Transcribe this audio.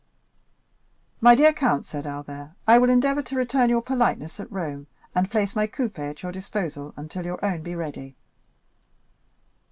"My dear Count," said Albert, "I will endeavor to return your politeness at Rome, and place my coupé at your disposal until your own be ready."